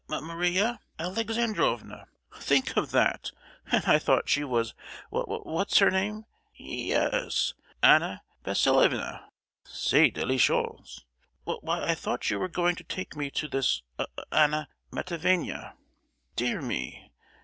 "M—Maria Alexandrovna! think of that; and I thought she was w—what's her name. Y—yes, Anna Vasilievna! C'est délicieux. W—why I thought you were going to take me to this A—Anna Matveyevna. Dear me!